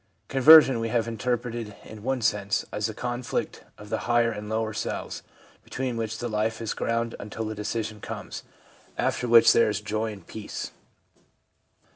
Conver sion we have interpretated, in one sense, as the conflict of the higher and lower selves, between which the life is ground until the decision comes, after which there is joy and peace.